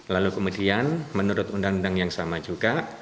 lalu kemudian menurut undang undang yang sama juga